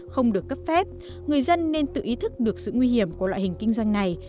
không được cấp phép người dân nên tự ý thức được sự nguy hiểm của loại hình kinh doanh này